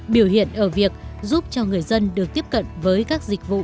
biểu hiện ở việc giúp cho người dân được tiếp cận với các dịch vụ